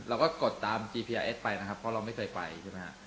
เราก็กดตามไปนะครับเพราะเราไม่เคยไปใช่ไหมฮะ